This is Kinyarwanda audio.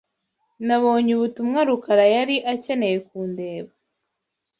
Nabonye ubutumwa Rukara yari akeneye kundeba.